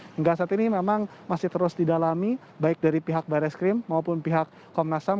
hingga saat ini memang masih terus didalami baik dari pihak baris krim maupun pihak komnas ham